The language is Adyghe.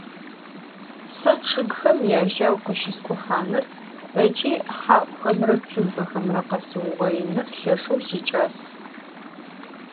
Se ççıgxem yajau khışısk'uhanır ıç'i ha'uxemre tsumpexemre khesıuğoinır lheşşeu siç'as.